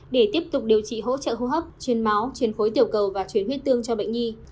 để tiếp tục điều trị hỗ trợ hô hấp chuyển máu chuyển phối tiểu cầu và chuyển huyết tương cho bệnh nhi